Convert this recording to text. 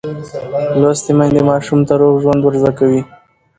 لوستې میندې ماشوم ته روغ ژوند ورزده کوي.